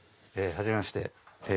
はじめまして。